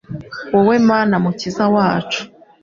wowe Mana Mukiza wacu